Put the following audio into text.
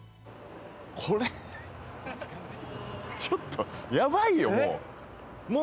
これちょっとやばいよ、もう。